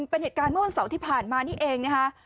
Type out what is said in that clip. เป็นเหตุการณ์เมื่อวันเสาร์ที่ผ่านมานี่เองนะคะ